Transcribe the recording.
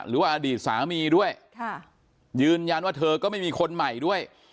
หรือว่าอดีตสามีด้วยยืนยันว่าเธอก็ไม่มีคนใหม่ด้วย